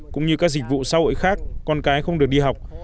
cũng như các dịch vụ xã hội khác con cái không được đi học